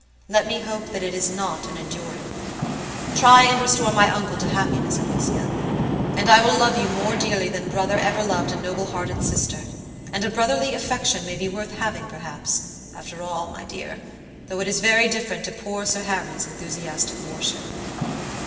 Let me hope that it is not an enduring one. Try and restore my uncle to happiness, Alicia, and I will love you more dearly than brother ever loved a noble hearted sister; and a brotherly affection may be worth having, perhaps, after all, my dear, though it is very different to poor Sir Harry's enthusiastic worship."